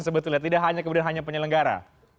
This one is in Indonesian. sebetulnya tidak hanya kemudian hanya penyelenggara